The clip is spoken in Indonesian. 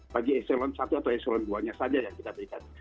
bagi eselon satu atau eselon dua nya saja yang kita berikan